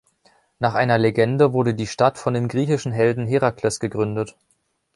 Nach einer Legende wurde die Stadt von dem griechischen Helden Herakles gegründet.